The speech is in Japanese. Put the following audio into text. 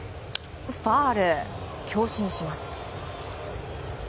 ファウル、強振します。